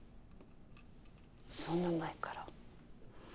そんな前から。